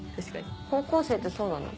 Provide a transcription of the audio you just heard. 高校生ってそうなの？